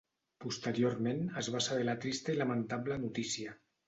Posteriorment es va saber la trista i lamentable notícia.